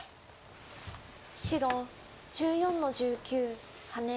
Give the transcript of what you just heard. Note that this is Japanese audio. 白１４の十九ハネ。